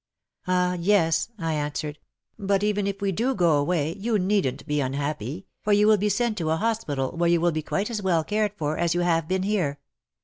" Ah, yes," I answered, '' but even if we do go away, you needn't be unhappy, for you will be sent to a hospital where you will be quite as well cared for as you have been here.